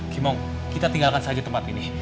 kimo kita tinggalkan saja tempat ini